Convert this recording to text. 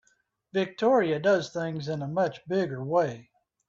Victoria does things in a much bigger way.